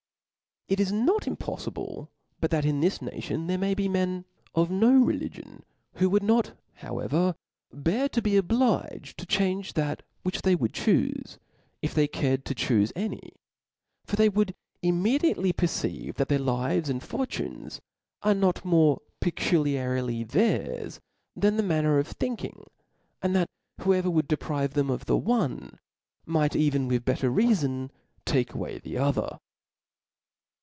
It is not impoffible but that in this nation there may .be men of no religion, who would not, however. 464 T H E S P I R I T *xix* ^^^^^^^>^^^^^ obliged to change that which . CkM^af th^ would chufe, if they cared to chufe any; for they would immediately perceive that their hvtB and fortunes are not more pecuUarly theirs than their manner of thinking, and that whoever would deprive them of the one, might, even with better reaibn, take away the other.